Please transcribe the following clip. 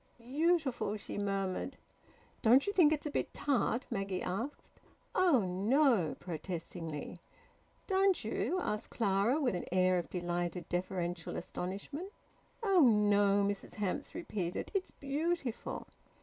"Beautiful!" she murmured. "Don't you think it's a bit tart?" Maggie asked. "Oh no!" protestingly. "Don't you?" asked Clara, with an air of delighted deferential astonishment. "Oh no!" Mrs Hamps repeated. "It's beautiful!"